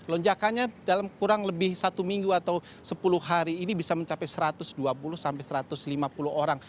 lonjakannya dalam kurang lebih satu minggu atau sepuluh hari ini bisa mencapai satu ratus dua puluh sampai satu ratus lima puluh orang